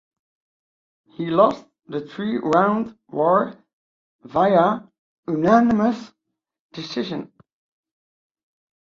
He lost the three round war via unanimous decision.